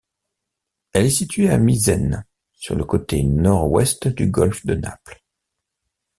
Elle est située à Misène, sur le côté nord-ouest du golfe de Naples.